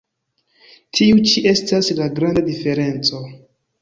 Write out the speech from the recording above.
Tiu ĉi estas la granda diferenco.